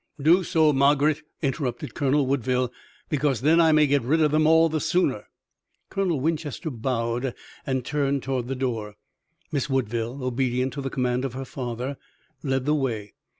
"Do so, Margaret," interrupted Colonel Woodville, "because then I may get rid of them all the sooner." Colonel Winchester bowed and turned toward the door. Miss Woodville, obedient to the command of her father, led the way.